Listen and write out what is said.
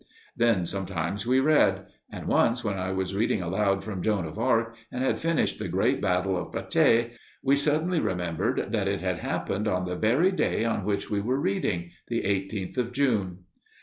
Then, sometimes, we read; and once, when I was reading aloud from "Joan of Arc" and had finished the great battle of Patay, we suddenly remembered that it had happened on the very day on which we were reading, the eighteenth of June.